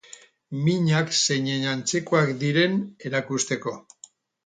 Minak zeinen antzekoak diren erakusteko.